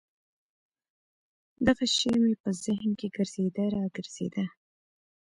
دغه شعر مې په ذهن کښې ګرځېده راګرځېده.